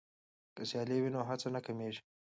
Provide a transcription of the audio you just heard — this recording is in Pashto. که سیالي وي نو هڅه نه کمېږي.